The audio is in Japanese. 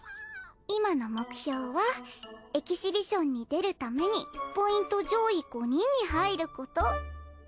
今の目標はエキシビションに出るためにポイント上位５人に入ること。